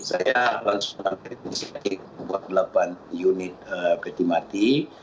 saya langsung sampai di empat puluh delapan unit peti mati